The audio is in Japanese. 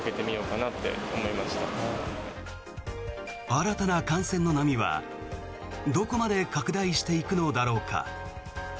新たな感染の波は、どこまで拡大していくのだろうか。